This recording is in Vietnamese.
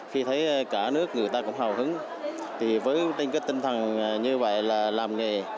khi thấy cả nước người ta cũng hào hứng thì với cái tinh thần như vậy là làm nghề